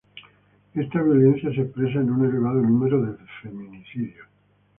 Esta violencia se expresa en un elevado número de feminicidios.